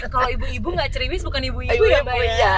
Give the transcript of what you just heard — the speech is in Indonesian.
kalau ibu ibu nggak cerimis bukan ibu ibu ya mbak ya